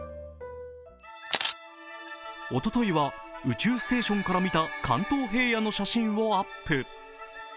おとといは宇宙ステーションから見た関東平野の写真をアップ。